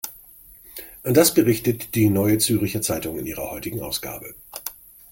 Das berichtet die Neue Zürcher Zeitung in ihrer heutigen Ausgabe.